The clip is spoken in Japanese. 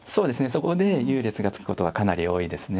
そこで優劣がつくことはかなり多いですね。